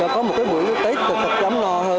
có một cái buổi tết thật thật giám lo hơn